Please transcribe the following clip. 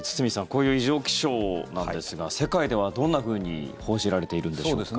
こういう異常気象なんですが世界では、どんなふうに報じられているんでしょうか。